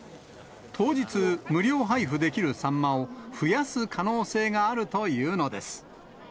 当日、無料配布できるサンマを増やす可能性があるというのです。